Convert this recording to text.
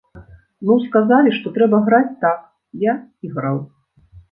Ну, сказалі, што трэба граць так, я і граў.